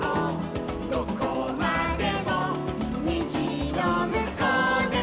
「どこまでもにじのむこうでも」